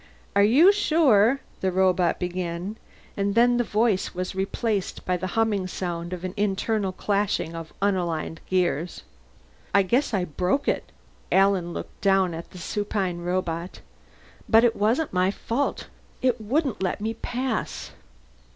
"Are you sure " the robot began, and then the voice was replaced by the humming sound of an internal clashing of unaligned gears. "I guess I broke it." Alan looked down at the supine robot. "But it wasn't my fault. It wouldn't let me pass."